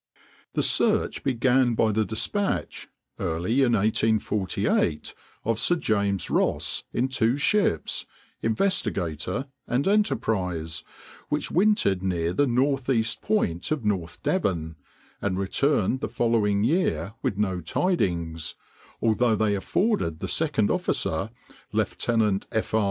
The search began by the despatch, early in 1848, of Sir James Ross in two ships, Investigator and Enterprise, which wintered near the northeast point of North Devon, and returned the following year with no tidings, although they afforded the second officer, Lieutenant F. R.